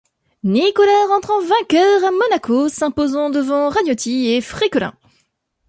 Nicolas rentre en vainqueur à Monaco, s'imposant devant Ragnotti et Fréquelin.